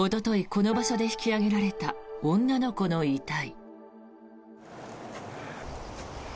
この場所で引き揚げられた女の子の遺体。